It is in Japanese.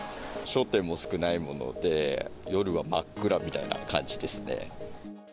商店も少ないもので、夜は真っ暗みたいな感じですね。